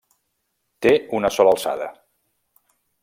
Té una sola alçada.